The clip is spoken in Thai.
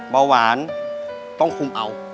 เบาหวานต้องคุมเอา